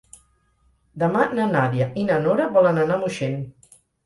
Demà na Nàdia i na Nora volen anar a Moixent.